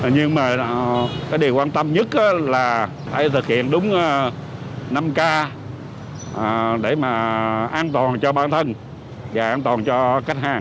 nhưng mà cái điều quan tâm nhất là phải thực hiện đúng năm k để mà an toàn cho bản thân và an toàn cho khách hàng